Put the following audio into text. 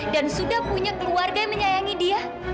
dan sudah punya keluarga yang menyayangi dia